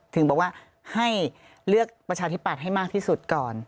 ถึงบอกว่าให้เลือกประชาธิปัตย์ให้มากที่สุดก่อน